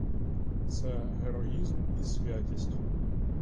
Це героїзм і святість.